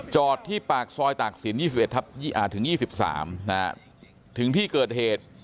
จอดที่ปากซอยตากศิลป๒๑๒๓ถึงที่เกิดเหตุ